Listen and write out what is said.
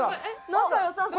仲良さそう。